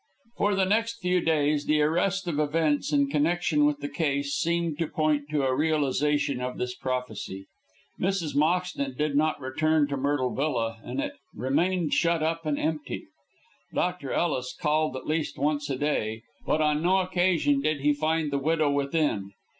For the next few days the arrest of events in connection with the case seemed to point to a realisation of this prophecy. Mrs. Moxton did not return to Myrtle Villa, and it remained shut up and empty. Dr. Ellis called at least once a day, but on no occasion did he find the widow within.